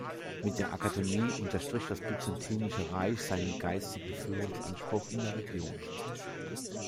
Mit der Akademie unterstrich das Byzantinische Reich seinen geistigen Führungsanspruch in der Region.